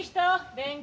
勉強！